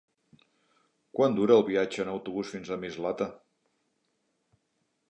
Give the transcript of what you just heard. Quant dura el viatge en autobús fins a Mislata?